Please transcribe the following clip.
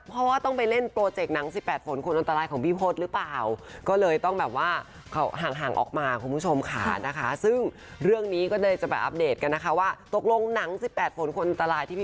ก็ต้องไปถามนิดนึงนะคะว่าน้องบาร์ดเนี่ยน้อยใจรึเปล่า